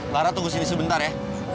lara tunggu sini sebentar ya